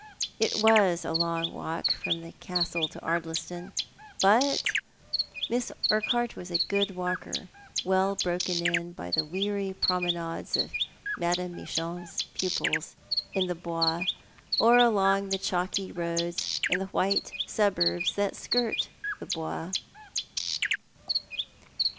It was a long walk Irom the Castle to Ardlistou, but Miss Urquhart was a good walker, well broken in by the weary promenades of Madame Michou's pupils in the Bois, or along chalky roads in the white suburbs that skirt the Bois, and 262 Thott art the Man.